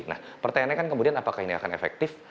nah pertanyaannya kan kemudian apakah ini akan efektif